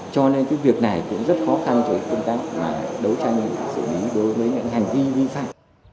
cho nên cái việc này cũng rất khó khăn cho cái phương tác mà đấu tranh xử lý đối với những hành vi vi phạm